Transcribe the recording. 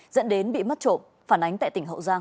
dẫn đến bị mất trộm phản ánh tại tỉnh hậu giang